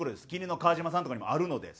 麒麟の川島さんとかにもあるので」。